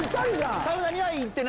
サウナには行ってない？